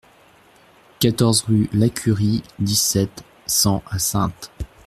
quatorze rue Lacurie, dix-sept, cent à Saintes